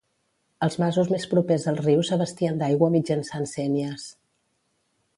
Els masos més propers al riu s'abastien d'aigua mitjançant sénies.